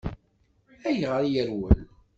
Ayɣer i yerwel?